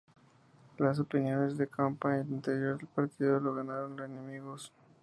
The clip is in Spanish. Las opiniones de Campa al interior del partido le ganaron enemigos.